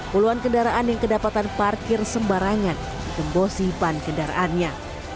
puluhan kendaraan yang kedapatan parkir sembarangan dikembosipan kendaraannya